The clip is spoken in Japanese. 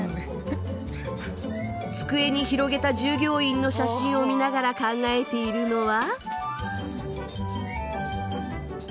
机に広げた従業員の写真を見ながら考えているのは。